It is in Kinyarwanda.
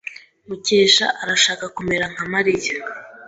Mukesha arashaka kumera nka Mariya.